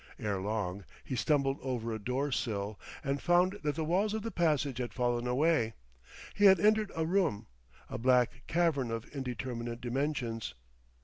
Ere long he stumbled over a door sill and found that the walls of the passage had fallen away; he had entered a room, a black cavern of indeterminate dimensions.